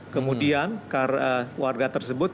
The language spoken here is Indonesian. kemudian warga dki jakarta yang tidak terdaftar dalam dpt